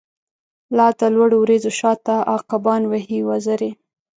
لا د لوړو وریځو شا ته، عقابان وهی وزری